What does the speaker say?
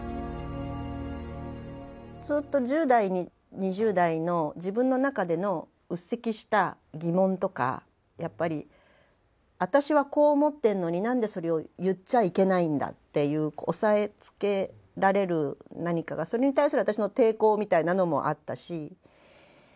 ずっと１０代２０代の自分の中での鬱積した疑問とかやっぱり私はこう思ってんのに何でそれを言っちゃいけないんだっていう押さえつけられる何かがそれに対する私の抵抗みたいなのもあったし。